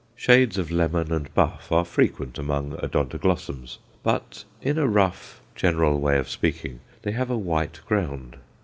Shades of lemon and buff are frequent among Odontoglossums, but, in a rough, general way of speaking, they have a white ground.